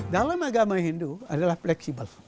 dalam agama hindu adalah fleksibel